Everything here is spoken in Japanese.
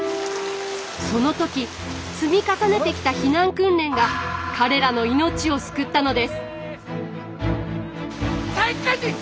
その時積み重ねてきた避難訓練が彼らの命を救ったのです。